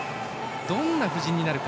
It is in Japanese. どんな布陣になるか。